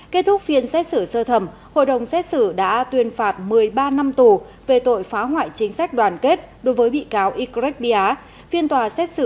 kết thúc phiên xét xử sơ thẩm hội đồng xét xử đã tuyên phạt một mươi ba năm tù về tội phá hoại chính sách đoàn kết đối với bị cáo y greg bia